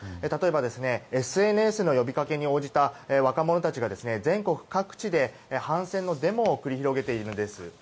例えば、ＳＮＳの呼びかけに応じた若者たちが全国各地で反戦のデモを繰り広げているんです。